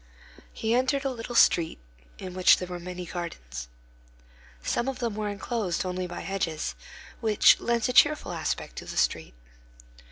He entered a little street in which there were many gardens. Some of them are enclosed only by hedges, which lends a cheerful aspect to the street.